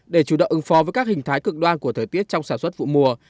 để chủ động ứng phó với các hình thái cực đoan của thời tiết trong sản xuất vụ mùa